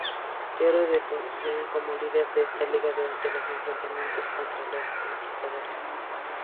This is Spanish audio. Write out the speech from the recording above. Taoro se posiciona como líder de esta liga durante los enfrentamientos contra los conquistadores.